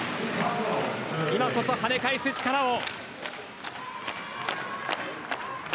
今こそ跳ね返す力を。